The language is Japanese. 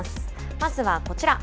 まずはこちら。